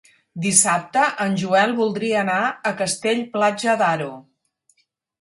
Dissabte en Joel voldria anar a Castell-Platja d'Aro.